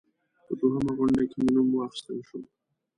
په دوهمه غونډه کې مې نوم واخیستل شو.